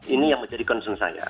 ini yang menjadi concern saya